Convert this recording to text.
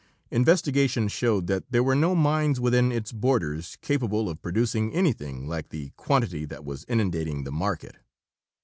Investigation showed that there were no mines within its borders capable of producing anything like the quantity that was inundating the market.